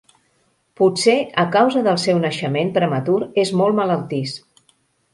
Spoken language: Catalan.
Potser a causa del seu naixement prematur és molt malaltís.